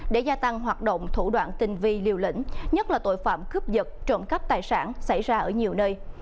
để gia tăng hoạt động thủ đoạn tình vi liều lĩnh nhất là tội phạm cướp vật trộm cắp tài sản xảy ra ở nhiều nơi